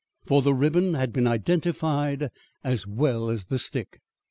For the ribbon had been identified as well as the stick.